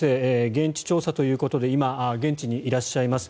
現地調査ということで今、現地にいらっしゃいます。